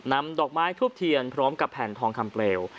นำดอกไม้ทูบเทียนพร้อมกับแผ่นทองคำเปลว